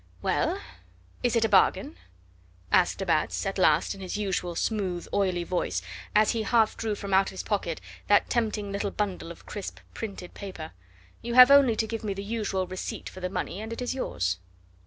"Well! is it a bargain?" asked de Batz at last in his usual smooth, oily voice, as he half drew from out his pocket that tempting little bundle of crisp printed paper. "You have only to give me the usual receipt for the money and it is yours."